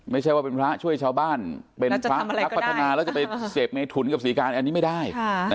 ไม่ใช่ว่าเป็นพระช่วยชาวบ้านเป็นพระพระแล้วจะไปเสพเมถุนกับศรีการอันนี้ไม่ได้